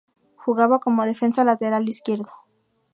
Jugaba como defensa lateral izquierdo.